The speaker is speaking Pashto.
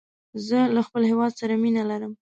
زه له خپل هېواد سره مینه لرم.